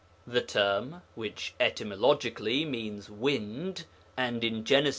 The term, which etymologically means 'wind,' and in Gen. i.